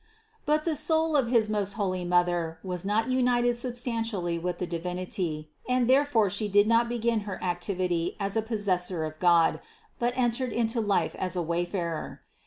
But the soul of his most holy Mother was not united substantially with the Divinity and therefore THE CONCEPTION 193 She did not begin her activity as a possessor of God, but entered into life as a wayfarer.